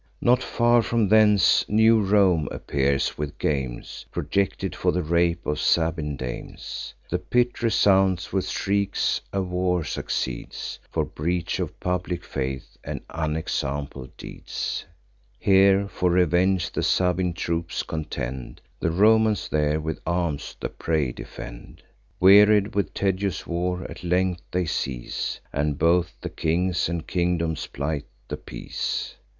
Not far from thence new Rome appears, with games Projected for the rape of Sabine dames. The pit resounds with shrieks; a war succeeds, For breach of public faith, and unexampled deeds. Here for revenge the Sabine troops contend; The Romans there with arms the prey defend. Wearied with tedious war, at length they cease; And both the kings and kingdoms plight the peace.